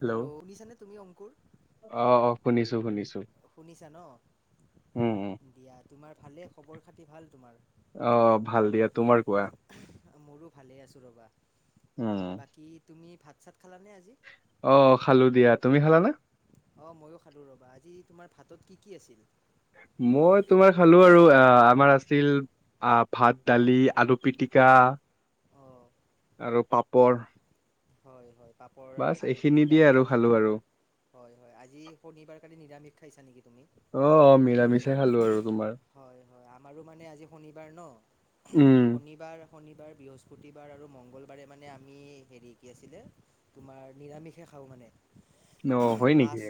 Hello শুনিছানে তুমি অংকুৰ অ অ শুনিছো শুনিছো। শুনিছা উম উম ন দিয়া তোমাৰ ভালে খবৰ খাতি ভাল তোমাৰ? অ ভাল দিয়া, তোমাৰ কোৱা? মোৰো ভালে আছো ৰবা, উম বাকী তুমি ভাত চাত খালানে আজি অ খালো দিয়া, তুমি খালাানে? অ ময়ো খালো ৰবা, আজি তোমাৰ ভাতত কি কি আছিল? মই তোমাৰ খালো আৰু আহ আমাৰ আছিল আহ ভাত, দালি, আলু পিটিকা অঁ আৰু পাপৰ। হয় হয়। পাপৰ, বাছ আলু এইখিনি পিটিকা দিয়ে আৰু দালি খালো ভাত, আৰু হয় হয় আজি শনিবাৰ কালি নিৰামিষ খাইছা নেকি? তুমি অ অ নিৰামিষয়ে খালো আৰু তোমাৰ। আৰু মানে আজি শনিবাৰ ন উম শনিবাৰ শনিবাৰ, বৃহস্পতিবাৰ আৰু মঙ্গলবাৰে মানে আমি হেৰি কি আছিলে তোমাৰ নিৰামিষে খাওঁ মানে। অ হয় নেকি?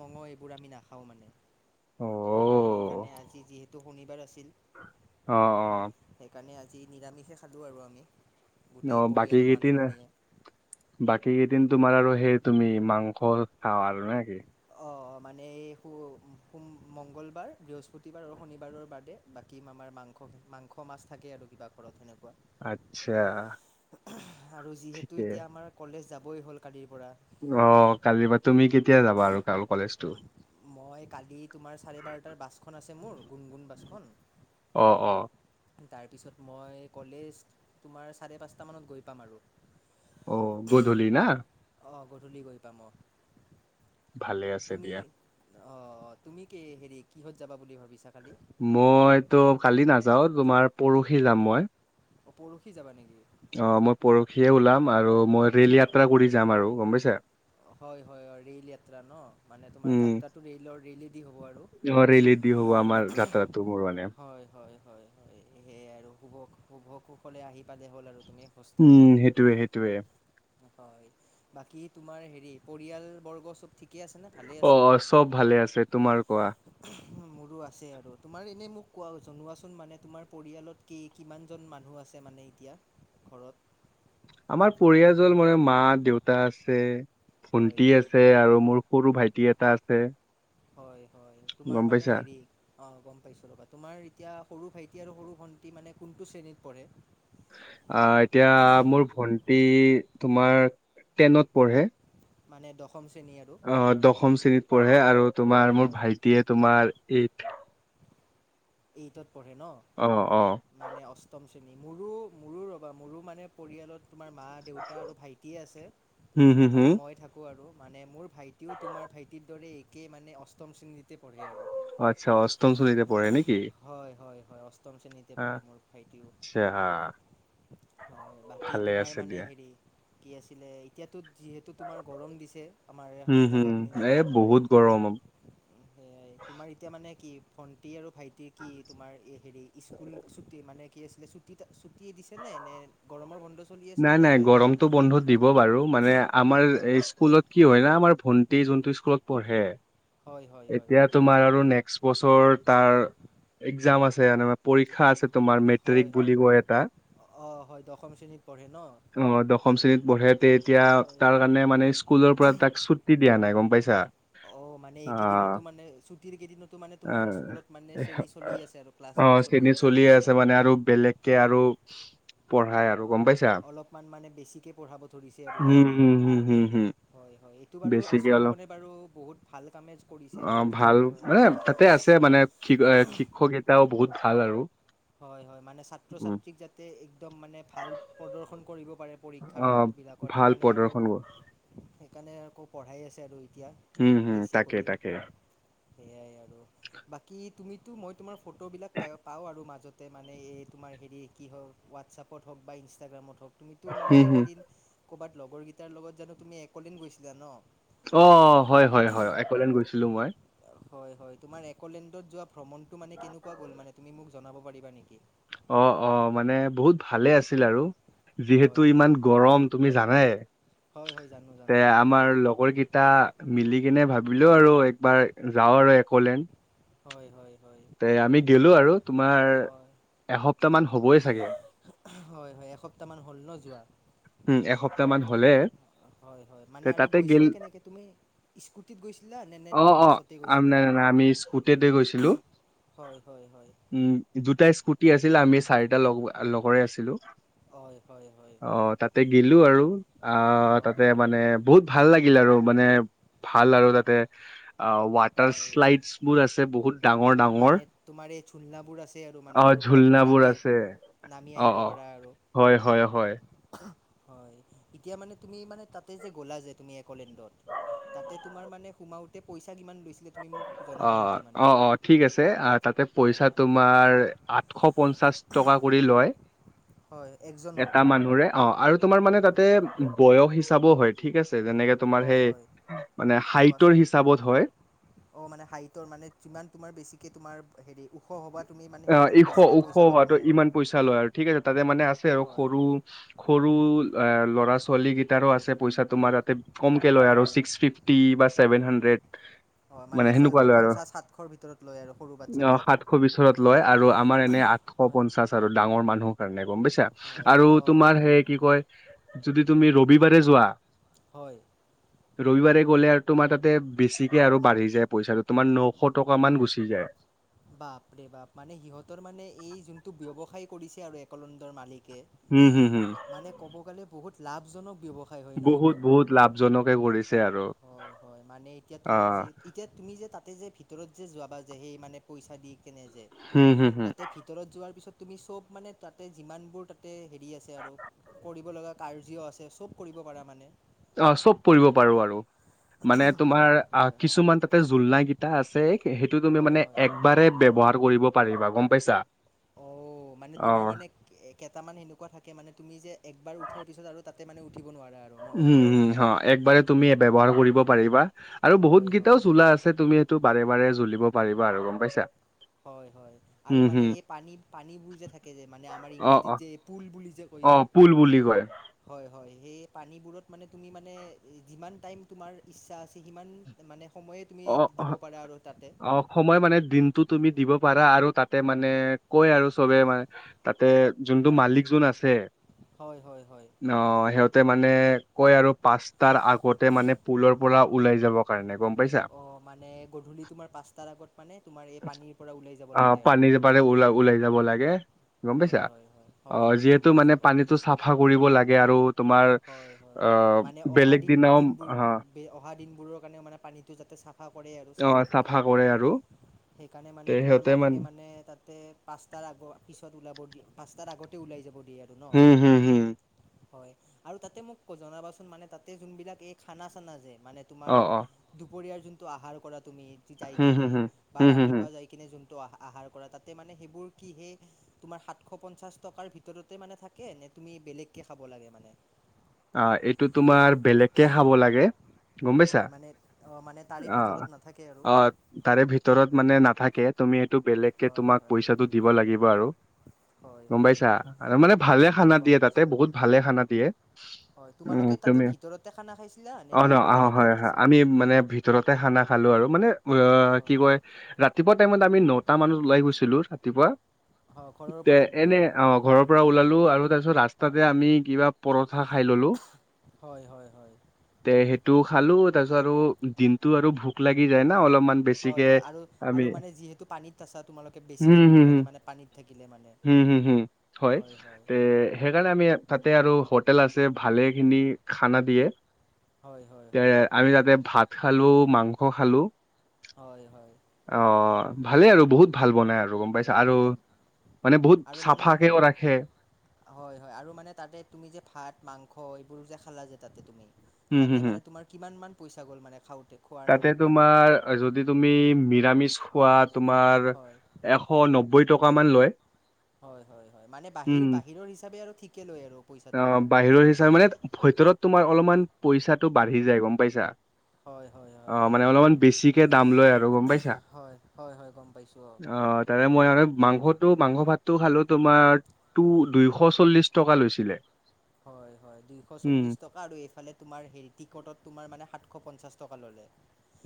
মঙ এইবোৰ আমি নাখাও মানে, অ অ সেইকাৰণে আজি যিহেতু শনিবাৰ আছিল। অ অ যি নিৰামিষে খালোঁ আৰু আমি। অ গোটেই বাকী পৰিয়ালৰ কিদিনা মানুহখিনিয়ে বাকী কেইদিন তোমাৰ আৰু সেই তুমি মাংস খা আৰু নে কি? [unintelligible] [inaudible] হুম মঙ্গলবাৰ, বৃহস্পতিবাৰ আৰু শনিবাৰৰ বাদে বাকী আমাৰ মাংস মাংস মাছ থাকে আৰু কিবা ঘৰত সেনেকুৱা। আচ্ছা কোৱা, আৰু যিহেতু ঠিকে এতিয়া আমাৰ কলেজ যাবই হ'ল কালিৰ পৰা অ কালি পা তুমি কেতিয়া যাবা আৰু কলেজটো? মই কালি তোমাৰ চাৰে বাৰটাৰ বাছখন আছে মোৰ, গুণগুণ বাছখন অ অ তাৰপিছত মই কলেজ তোমাৰ চাৰে পাঁচটামানত গৈ পাম আৰু। অ গধূলি না? অঁ গধূলি গৈ পাম অহ। ভালে আছে দিয়া। অ তুমি কি হেৰি কিহত যাবা বুলি ভাবিছা? কালি মইত কালি নাযাও তোমাৰ পৰহি যাম মই। অ পৰহি যাবা নেকি? অ মই পৰহিয়ে ওলাম আৰু মই ৰেল হয় যাত্ৰা কৰি যাম আৰু গম পাইছা। হয় হয় হয় ৰেইল যাত্ৰা ন মানে তোমাৰ উম যাত্ৰাটো ৰেলৰ ৰেলেদি হ'ব আৰু অ ৰেলী দি হ'ব আমাৰ যাত্ৰাটো মোৰ মানে হয় হয় হয় সেয়ে আৰু শুভ শুভ কুখলে আহি পালে হ'ল আৰু তুমি উম হোষ্টেলখন সেইটোৱে সেইটোৱে হয় বাকী তোমাৰ হেৰি পৰিয়াল বৰ্গ চব ঠিক অ অ চব ভালে আছে তোমাৰ কোৱা মোৰো আছে আৰু তোমাৰ এনেই মোক কোৱা জনোৱাচোন মানে তোমাৰ পৰিয়ালত কি কিমানজন মানুহ আছে মানে এতিয়া ঘৰত আমাৰ পৰিয়াল জল মানে মা দেউতা আছে [unintelligible] হয় ভন্টি হয় আছে আৰু মোৰ সৰু ভাইটি এটা আছে হয় হয় তোমাৰ গম মানে পাইছা হেৰি অ গম পাইছো ৰবা তোমাৰ এতিয়া সৰু ভাইটি আৰু সৰু ভন্টি মানে কোনটো শ্ৰেণীত পঢ়ে আহ এতিয়া মোৰ ভন্টি তোমাৰ টেনত পঢ়ে মানে দ অ দশম শ্ৰেণীত পঢ়ে আৰু তোমাৰ হয় মোৰ হয় ভাইটিয়ে তোমাৰ এই এইটত পঢ়ে ন অ অ মানে অষ্টম মোৰো মোৰো ৰ'বা মোৰো মানে পৰিয়ালত তোমাৰ মা দেউতা আৰু ভাইটিয়ে আছে হুম হুম আৰু হুম মই থাকোঁ আৰু মানে মোৰ ভাইটিও তোমাৰ ভাইটিৰ দৰে একেই মানে অষ্টম শ্ৰেণীতে পঢ়ে আৰু আচ্ছা অষ্টম শলীতে হয় হয় হয় অষ্টম শ্ৰেণীতে পঢ়ে মোৰ ভাইটিও আচ্ছা হয় বাকী ভালে তোমাৰ আছে মানে দিয়া হেৰি কি আছিলে এতিয়াতো যিহেতু তোমাৰ গৰম দিছে আমাৰ হুম হুম জেগাখিনিত এ আৰু বহুত গৰম সেইয়াই তোমাৰ এতিয়া মানে কি ভণ্টি আৰু ভাইটিৰ কি তোমাৰ এই হেৰি স্কুল ছুটি মানে কি আছিলে ছুট ছুটি দিছে নে নে [unintelligible] গৰমৰ বন্ধ চলি আছেনে নাই নে নাই এনেই গৰমতটো বন্ধত দিব বাৰু মানে আমাৰ হয় স্কুলত কি হয় ন আমাৰ ভন্টি যোনটো স্কুলত পঢ়ে হয় হয় হয় এতিয়া তোমাৰ আৰু নেক্সট বছৰ তাৰ এক্সাম আছে পৰীক্ষা আছে তোমাৰ হয় মেট্ৰিক হয় বুলি কয় এটা অঁ হয় দশম শ্ৰেণীত পঢ়ে ন অ দশম শ্ৰেণীত পঢ়ে তে এতিয়া হয় তাৰ হয় কাৰণে মানে স্কুলৰ পৰা তাক ছু্টি দিয়া নাই গম পাইছা অঁ মানে এই অ কেইদিনতো মানে ছুটিৰ কেইদিনতো মানে তোমাৰ স্কুলত মানে শ্ৰেণী চলি আছে আৰু ক্লাছোৰ চলি আছে চলি আৰু আছে মানে আৰু বেলেগকে আৰু পঢ়াই আৰু গম হয় পাইছো অলপমান মানে বেছিকে পঢ়াব ধৰিছে আৰু উম এইকেইদিন হম হম হম হম হয়। হয় এইটো বাৰু বেছিকে অলপ স্কুলখনে বাৰু বহুত ভাল কামে কৰিছে অ আৰু শিক শিক্ষক কেটাও বহুত ভাল আৰু হয় হয় মানে ছাত্ৰ উম ছাত্ৰীক যাতে এক্দম মানে ভাল প্ৰদৰ্শন কৰিব পৰীক্ষা অ বিলাকত ভাল সেইকাৰণে আৰু প্ৰদৰ্শন কৰ সেইকাৰণে আকৌ পঢ়াই আছে আৰু এতিয়া উম হম বেছি তাকে কৰি তাকে সেয়াই আৰু বাকী তুমিতো মই তোমাৰ ফটোবিলাক পায় পাওঁ আৰু মাজ য'তে মানে এই তোমাৰ হেৰি কি হওক হোৱাটছপত হওক বা ইনষ্টাগ্ৰামত হওক তুমিতো মানে হম হম এইকেইদিন কৰ'ৰবাত লগৰ গেইটাৰ লগত জানো তুমি একদিন গৈছিলা ন অ হয় হয় হয় একলেন গৈছিলো মই হয় হয় তোমাৰ এক'লেণ্ডত যোৱা ভ্ৰমণটো মানে কেনেকুৱা গ'ল মানে তুমি মোক জনাব পাৰিবা নেকি অ অ মানে বহুত ভালে আছিল আৰু যিহেতু হয় হয় ইমান গৰম তুমি জানাই হয় হয় জানো তে জানো আমাৰ লগৰ কেইটা মিলি কেনে ভাবিলো আৰু একবাৰ যাও আৰু একলেন হয় হয় হয় তে আমি গেলো আৰু তোমাৰ হয় এসপ্তাহ মান হ'বই চাগে হয় হয় এসপ্তাহ উম এসপ্তাহ মান হলে হয় হয় মানে তে আৰু তাতে গেল গৈছিলা কেনেকে তুমি স্কুটিত গৈছিলা নে নে তুমি অ', অ', বাছতে আম গৈছিলা নাই আমি স্কুটিতে গৈছিলো। হয় হয় হয় উম দুটা স্কুটি আছিল আমি চাৰিটা লগৰে আছিলো। হয় হয় হয় অ হয় তাতে গিলো আৰু আ অঁ তাতে মানে বহুত ভাল ভাল লাগিল আৰু মানে ভাল আৰু তাতে অ ৱাটাৰ হয় শ্লাইডছ বোৰ আছে বহুত ডাঙৰ ডাঙৰ মানে তোমাৰ এই ঝুলনাবোৰ আছে আৰু মানে অ যৰ পৰা তুমি ঝুলনাবোৰ নামি আহি আছে নামি অ আহিব অ পাৰা আৰু হয় হয় হয় হয় এতিয়া মানে তুমি মানে তাতে যে গ'লা যে তুমি একলেণ্ডত তাতে তোমাৰ মানে সোমাওতে পইচা কিমান গৈছিলে তুমি মোক অ জনাবা নেকি মানে অ অ ঠিক আছে তাতে হয় পইচা তোমাৰ আঠশ পঞ্চাশ টকা কৰি লয় হয় একজনৰ এটা মানুহৰে অ আৰু তোমাৰ মানে তাতে বয়স হিচাপও হয় ঠিক আছে। যেনেকে তোমাৰ হয় সেই হয় হাইটৰ কোৱাচোন হিচাপত হয়। অ মানে হাইটৰ মানে যিমান তোমাৰ বেছিকৈ তোমাৰ হেৰি ওখ হ'বা তুমি মানে অ সিমান এশ বেছিকে ওখ পইচা ল'ব হোৱাটো মানে ইমান পইচা লয় আৰু ঠিক আছে তাতে মানে আছে আৰু হয় সৰু সৰু সৰু লৰা ছোৱালী কেইটাও আছে। পইচা তোমাৰ তাতে কমকে লয় আৰু হয় ছিক্স ফিফটি বা ছেভেন হাড্ৰেড হয় মানে ছয়শ পঞ্চাশ সাতশৰ ভিতৰত লয় আৰু সৰু বাচ্ছা অ বিলাকৰ সাতশ বিচৰত লয় আৰু আমাৰ এনে আঠশ পঞ্চাশ আৰু ডাঙৰ মানুহৰ কাৰণে গম পইছা হয় আৰু অ অ তোমাৰ সেই কি কয় যদি তুমি ৰবিবাৰে যোৱা। হয়। ৰবিবাৰে গ'লে আৰু তোমাৰ তাতে বেছিকে আৰু বাঢ়ি যায় পইচাটো তোমাৰ নশ টকা মান গুচি যায়। বাপৰে বাপ মানে সিহঁতৰ মানে এই যোনটো ব্যৱসায় কৰিছে আৰু একলেণ্ডৰ মালিক হম হম হম মানে ক'ব গ'লে বহুত লাভজনক ব্যৱসায় হয় ন এইটো বহুত বহুত লাভজনকে কৰিছে আৰু হয় হয় মানে এতিয়া অ তোমাৰ যি এতিয়া তুমি যে তাত তাতে যে ভিতৰত যে যাবা যে সেই মানে পইচা দি কেনে যে হম হম হম তাতে ভিতৰত যোৱাৰ পিছত তুমি চব মানে তাতে যিমানবোৰ তাতে হেৰি আছে আৰু কৰিব লগা কাৰ্য আছে চব কৰিব। কৰা মানে। অ চব কৰিব পাৰো আৰু। মানে তোমাৰ হয় আ হয়। কিছুমান তাতে জোলনা কিটা আছে। সেইটো তুমি হয় মানে হয়। একবাৰে ব্যৱহাৰ কৰিব পাৰিবা গম পাইছা। অ মানে তোমাৰ অ মানে কেইটামান সেনেকুৱা থাকে মানে তুমি যে। একবাৰ উঠাৰ পিছত আৰু তাতে মানে উঠিব নোৱাৰা আৰু ন? উম হম হ একবাৰে তুমি ব্যৱহাৰ কৰিব পাৰিবা। আৰু হয় বহুত হয়। কেইটাও জোলা আছে তুমি এইটো বাৰে বাৰে জুলিব পাৰিবা আৰু গম পাইছা হয় হয় আৰু উম, হুম, মানে এই পানী পানীবোৰ যে থাকে যে মানে আমাৰ অ', ইংৰাজীত অ', যে এই পুল বুলি যে কয় যে অ', পুল বুলি কয় হয় হয় সেই পানীবোৰত মানে তুমি মানে যিমান টাইম তোমাৰ ইচ্ছা আছে সিমান মানে সময়ে তুমি অ দিব পাৰা আৰু তাতে। অ সময় মানে দিনটো তুমি দিব পাৰা আৰু তাতে মানে কয় আৰু চবে হয়। মানে তাতে যোনটো মালিক জোন আছে। হয় হয় হয় অ সিহঁতে মানে কয় আৰু পাঁচটাৰ আগতে মানে পুলৰ পৰা ওলাই যাব কাৰণে গম পাইছা অ মানে গধূলি তোমাৰ পাঁচটাৰ আগত মানে তোমাৰ এই পানীৰ পৰা ওলাই যাব অ লাগে আৰু পানীৰ পাৰে উলাবলে যাব লাগে। গম পাইছা হয় হয় হয় অ হয় হয় গম যিহেতু মানে পাইছোঁ গম পানীতটো পাইছোঁ চাফা কৰিব লাগে আৰু তোমাৰ- হয় হয় আহ মানে অহা বেলেগ দিন দিনাও দিনবোৰ হা অহা দিনবোৰৰ কাৰণে মানে পানীতটো যাতে চাফ চাফা কৰে আৰু অ চাফা থাকে কৰে আৰু সেইকাৰণে মানে তে তোমাৰ সিহঁতে মালিকে মানে তাত তাতে পাঁচটাৰ আগত পিছত ওলাব দিয়ে পাঁচটাৰ আগতে ওলাই যাব। দিয়ে আৰু ন হম হুম হম। হয় আৰু তাতে মোক জনাবাচোন মানে তাতে যোন বিলাক এই খানা চানা যে মানে অ তোমাৰ অ দুপৰীয়াৰ যোনটো আহাৰ কৰা তুমি যাই হুম কিনে হুম হুম বা হুম হুম হুম ৰাতিপুৱা যাই কিনে যোন। আহাৰ কৰা তাতে মানে সেইবোৰ কিহে তোমাৰ সাতশ পঞ্চাশ টকাৰ ভিতৰতে মানে থাকে নে। তুমি বেলেগকে খাব লাগে মানে। অ এইটো তোমাৰ বেলেগকে খাব লাগে। গম পাইছা হয় মানে অ মানে তাৰে অ ভিতৰত নাথাকে আৰু অ তাৰে ভিতৰত মানে নাথাকে। তুমি এইটো বেলেগ কে হয় তোমাক হয় পইচাটো দিব লাগিব আৰু। হয় গম হয় পাইছা হয় আৰু মানে ভালে হয় হয় খানা গম দিয়ে তাতে পাইছোঁ বহুত ভালে খানা দিয়ে। হয় উম তোমালোকে তাতে তুমি ভিতৰতে খানা খাইছিলা নে অ ন বাহিৰত অ আহি কিনে হয় হয় খাইছা আমি মানে ভিতৰতে খানা খালো। আৰু মানে অ কি হয় কয় ৰাতিপুৱা টাইমত আমি নটা মানত ওলাই গৈছিলো ৰাতিপুৱা। ঘৰৰ তে পৰা এনে অ ঘৰৰ পৰা ওলালো আৰু তাৰ পিছত ৰাস্তাতে হয় আমি কিবা প। খাই ললো হয় হয় হয় তে সেইটো খালো। তাৰপিছত আৰু দিনতটো আৰু ভোক লাগি যায় না অলপ। হয় হয় আৰু আৰু মানে যিহেতু পানীত আছা তোমালোকে বেছিকে ভোক লাগে মানে পানীত থাকিলে মানে। উম হম হম হয় তে সেইকাৰণে আমি তাতে আৰু। হোটেল আছে ভালে খিনি খানা দিয়ে। হয় হয় এ হয় আমি তাতে ভাত খালো মাংস খালো। হয় হয়। অ ভালেই আৰু বহুত ভাল বনাই আৰু গম পাইছা হয় আৰু। হয় মানে আৰু বহুত মানে চাফাকেও ৰাখে। হয় হয় আৰু মানে তাতে তুমি যে ভাত মাংস এইবোৰ যে খালা যে তাতে তুমি। হম তাতে হম হম মানে তোমাৰ কিমান মান পইচা গ'ল মানে খাওঁ। তাতে তোমাৰ যদি তুমি নিৰামিষ খোৱাত। তোমাৰ হয় এশ নবৈ টকা মান লয়। হয় হয় হয় মানে বাহিৰ উম বাহিৰৰ হিচাপে আৰু ঠিকে লয় আৰু পইচাটো ন আহ বাহিৰৰ হিচাপ মানে ভিতৰত তোমাৰ। অলপমান পইচাটো বাঢ়ি যায় গম পাইছা। হয় হয় অ হয় মানে সেয়াই অলপমান বেছিকে দাম লয় আৰু গম পাইছা। হয় হয় হয় গম পাইছো অ। অ তাৰে মই আৰু মাংসতো মাংস ভাত। টো খালো তোমাৰ হয় দুইশ চল্লিশ টকা লৈছিলে। হয় হয় দুইশ উম চল্লিশ টকা আৰু এইফালে তোমাৰ হেৰি টিকটত তোমাৰ মানে সাতশ পঞ্চাশ। টকা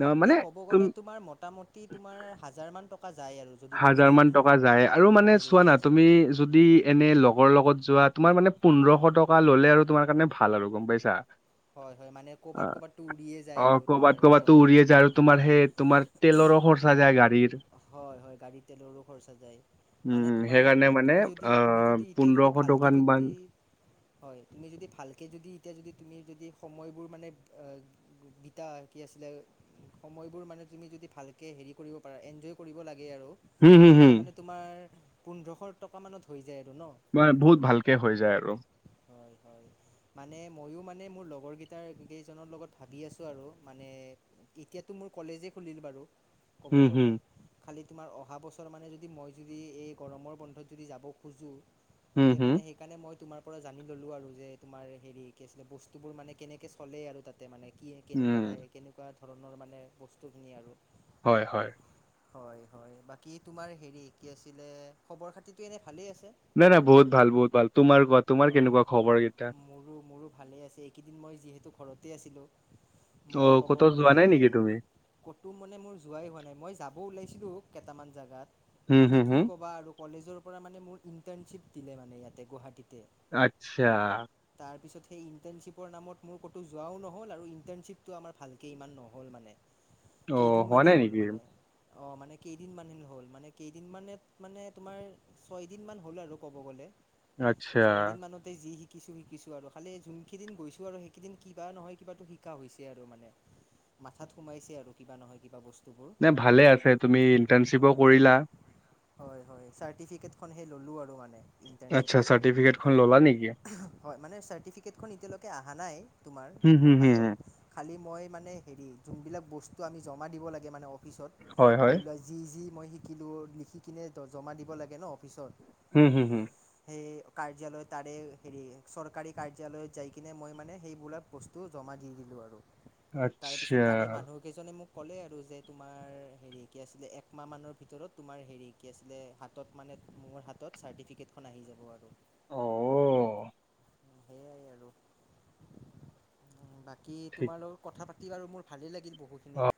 ন মানে তুম তোমাৰ মতা মতি তোমাৰ হাজাৰ টকা যায় আৰু যদি তুমি হাজাৰ মান টকা যায় আৰু মানে হেৰি চোৱা কি না আছিলে তুমি যদি এনে লগৰ লগত যোৱা। তোমাৰ মানে হয় পোন্ধৰশ টকা ললে আৰু তোমাৰ কাৰণে ভাল আৰু গম পাইছা। হয় হয় মানে অ ক'ৰবাত ক'ৰবাততো উৰিয়ে যায় অ আৰু তোমাৰ কৰবাত ক'বাতো গ'লে উৰিয়ে যায় আৰু তোমাৰ সেই তোমাৰ তেলৰ। খৰচা যায় গাড়ীৰ। হয় হয় গাড়ী তেলৰো খৰচা য মানে উম তোমাৰ সেইকাৰণে মানে তুমি যদি তুমি আহ যদি এতিয়া যদি পোন্ধৰশ ভালকে টকান মান যদি। হয় তুমি যদি ভালকে যদি এতিয়া যদি। তুমি যদি সময়বোৰ মানে গীতা কি আছিলে সময়বোৰ মানে তুমি যদি ভাল। হেৰি কৰিব পাৰ এনজয় কৰিব লাগে। হুম হুম তেতিয়া হুম মানে তোমাৰ পোন্ধৰশ টকা মানত হৈ যায়। হয় নে মানে ভালকে বহুত হৈ যায় আৰু অ অ মানে মইও। মানে মোৰ লগৰ কেইটাৰ কেইজনৰ লগত ভাবি আছো আৰু মানে এতিয়াতো মোৰ কলেজে খুলিল বাৰু। ক'ব হুম হুম গ'লে। তোমাৰ অহা বছৰ মানে যদি মই যদি এই গৰমৰ বন্ধত যদি যাব খোজোঁ। হুম তে হুম মানে সেইকাৰণে মই তোমাৰ পৰা জানি ললো আৰু যে তোমাৰ হেৰি কিছিল বস্তু। সেইবোৰ মানে কেনেকে চলে আৰু তাতে মানে কি কেনেকুৱা উম কেনেকুৱা। ধৰণৰ মানে বস্তুখিনি আৰু। হয় হয়। হয় হয় বাকী তোমাৰ হেৰি কি আছিলে খবৰ খাতিটো এনে ভালে আছে। নাই নাই বহুত ভাল বহুত ভাল তোমাৰ কোৱা তোমাৰ হয় কেনেকুৱা খবৰকেইটা। কেইদিন মই যিহেতু ঘৰতে আছিলো। অ মই ক'ব ক'তো যোৱা গ'লে নাই নেকি তুমি ক'তো মানে মোৰ যোৱাই হোৱা নাই মই যাব ওলাইছিলো কেইটামান জেগাট হুম খালি হুম হুম কি ক'বা আৰু কলেজৰ পৰা মানে ইম ইৰ্ন্টানচিপ দিলে মানে ইয়াতে গুৱাহাটীতে আচ্ছা তাৰপছত সেই ইৰ্ন্টানচিপ নামত মোৰ ক'তো যোৱাও নহ'ল আৰু ইৰ্ন্টানচিপটো আমাৰ ভালকে ইমান নহ'ল মানে অ হোৱা নাই নেকি অ মানে কেইদিন মান হ'ল মানে কেইদিন মানে মানে তোমাৰ ছয়দিন মান হ'ল আৰু কব গ'লে আচ্ছা ছয় দিন মানতে যি শিকিছো শিকিছো আৰু খালি যোনখি সেইকেইদিন গৈছোঁ আৰু সেইকেইদিন কিবা নহয় কিবাটো শিকা হৈছে আৰু মানে মাথাত সোমাইছে আৰু কিবা নহয় কিবা বস্তু নে ভালে আছে তুমি ইণ্টাৰ্ণশ্বিপো হয় হয় কৰিলা হয় হয় চাৰ্টিফিকেটখনহে ল'লো আৰু মান আচ্ছা চাৰ্টিফিকেটখন ল'লা নেকি হয় মানে চাৰ্টিফিকেটখন এতিয়ালৈকে অহা নাই তোমাৰ হুম হুম মোৰ হুম হুম হাতত খালী মই মানে হেৰি জোনবিলাক বস্তু আমি জমা দিব লাগে অফিচত হয় হয় ধৰিলোৱা যি যি মই শিকিলোঁ লিখি কিনে জমা দিব লাগে ন অফিচত হু হু হু সেই কাৰ্যালয় তাৰে হেৰি চৰকাৰী কাৰ্যালয়ত যাই কিনে মই মানে সেইবোলাক বস্তু জমা দি দিলোঁ আৰু তাৰপিছত তাৰে মানুহকেইজনে মোক ক'লে আৰু যে তোমাৰ হেৰি কি আছিলে একমাহ মানৰ ভিতৰত তোমাৰ হেৰি কি আছিলে হাতত মানে মোৰ হাতত চাৰ্টিফিকেটখন আহি যাব আৰু সেইয়াই আৰু কি তোমাৰ লগত কথা পাতি বাৰু মোৰ ভালেই লাগিল বহুখিনি